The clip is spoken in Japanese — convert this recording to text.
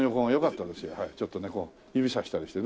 ちょっとねこう指さしたりして。